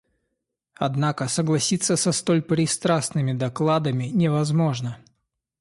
Однако согласиться со столь пристрастными докладами невозможно.